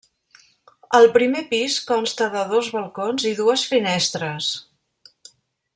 El primer pis consta de dos balcons i dues finestres.